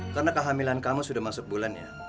karena kehamilan kamu sudah masuk bulannya